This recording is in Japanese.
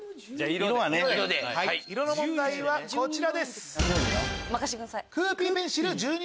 「色」の問題はこちらです。